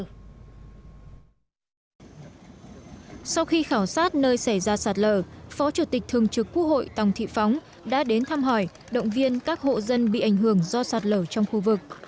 sau khi khảo sát nơi xảy ra sạt lở phó chủ tịch thường trực quốc hội tòng thị phóng đã đến thăm hỏi động viên các hộ dân bị ảnh hưởng do sạt lở trong khu vực